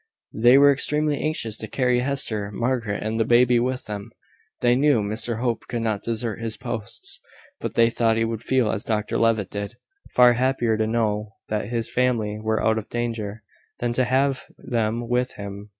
They were extremely anxious to carry Hester, Margaret, and the baby, with them. They knew Mr Hope could not desert his posts: but they thought he would feel as Dr Levitt did, far happier to know that his family were out of danger, than to have them with him.